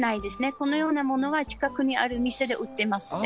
このようなものは近くにある店で売ってますね。